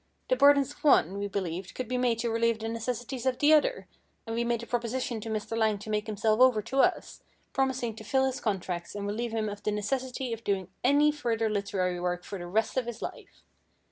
The burdens of the one, we believed, could be made to relieve the necessities of the other, and we made the proposition to Mr. Lang to make himself over to us, promising to fill his contracts and relieve him of the necessity of doing any further literary work for the rest of his life.